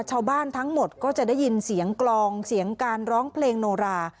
ชาวบ้านทั้งหมดก็จะได้ยินเสียงกลองเสียงการร้องเพลงโนรา